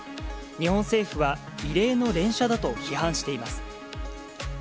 日本政府は異例の連射だと批判しています。